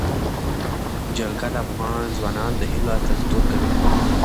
جلګه د افغان ځوانانو د هیلو استازیتوب کوي.